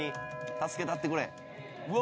助けたってくれ。